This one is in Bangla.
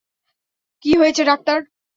কি হয়েছে ডাক্তার?